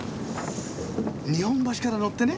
日本橋から乗ってね